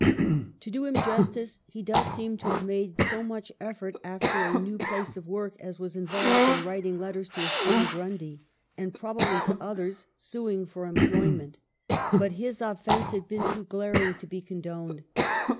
To do him justice, he does seem to have made so much effort after a new place of work as was involved in writing letters to his friend Grundy, and probably to others, suing for employment. 9 l 3 o EMILY BRONTE. But his offence had been too glaring to be con doned.